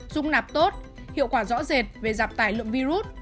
dung nạp tốt hiệu quả rõ rệt về giảm tải lượng virus